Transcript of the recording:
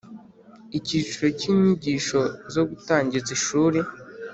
icyiciro cy inyigisho zo gutangiza ishuri